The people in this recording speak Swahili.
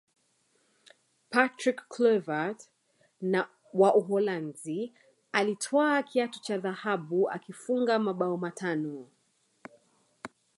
patrick kluivert wa uholanzi alitwaa kiatu cha dhahabu akifunga mabao matano